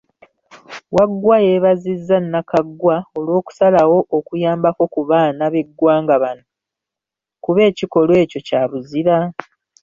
Waggwa yeebazizza Nakaggwa olw'okusalawo okuyambako ku baana b'eggwanga bano, kuba ekikolwa ekyo kya buzira.